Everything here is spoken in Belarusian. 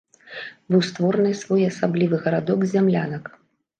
Быў створаны своеасаблівы гарадок з зямлянак.